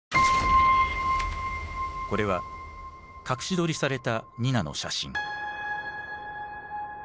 これは隠し撮りされたニナの写真。